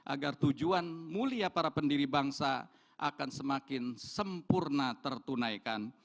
agar tujuan mulia para pendiri bangsa akan semakin sempurna tertunaikan